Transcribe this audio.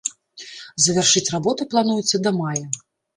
Завяршыць работы плануецца да мая.